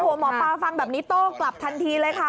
หมอปลาฟังแบบนี้โต้กลับทันทีเลยค่ะ